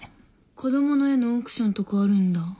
子供の絵のオークションとかあるんだ。